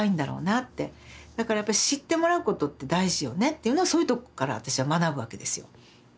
だからやっぱ知ってもらうことって大事よねっていうのをそういうとこから私は学ぶわけですよ。